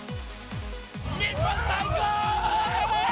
日本、最高！